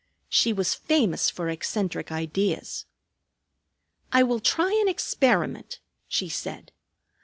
She was famous for eccentric ideas. "I will try an experiment," she said.